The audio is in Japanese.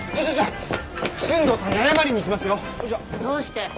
どうして？